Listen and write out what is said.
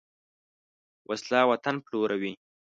وسله وطن پلوروي